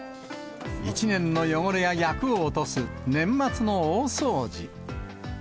１年の汚れや厄を落とす年末の大掃除。